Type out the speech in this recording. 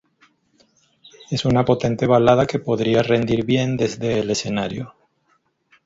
Es una potente balada que podría rendir bien desde el escenario.